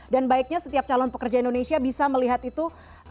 dan baiknya setiap calon pekerja indonesia bisa melihat itu